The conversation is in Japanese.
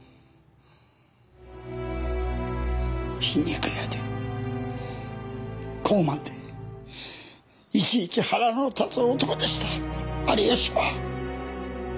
皮肉屋で高慢でいちいち腹の立つ男でした有吉は！